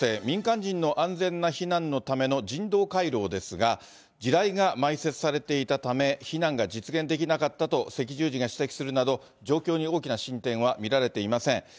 民間人の安全な避難のための人道回廊ですが、地雷が埋設されていたため、避難が実現できなかったと赤十字が指摘するなど、状況に大きな進展は見られていません。